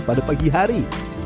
pada pagi hari